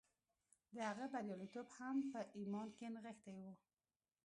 د هغه بریالیتوب هم په ایمان کې نغښتی و